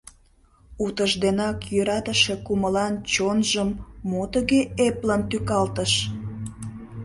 Утыжденак йӧратыше кумылан чонжым мо тыге эплын тӱкалтыш?